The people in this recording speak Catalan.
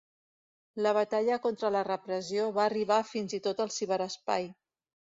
La batalla contra la repressió va arribar fins i tot al ciberespai.